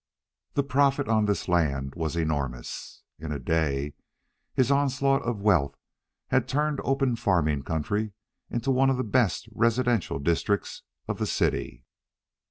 The profit on this land was enormous. In a day, his onslaught of wealth had turned open farming country into one of the best residential districts of the city.